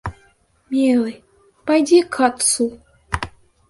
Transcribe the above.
Милый, пойди к отцу.